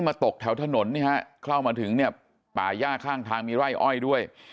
มาตกแถวถนนเข้ามาถึงป่าย่าข้างทางมีไร่อ้อยด้วย